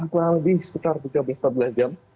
kurang lebih sekitar tiga belas jam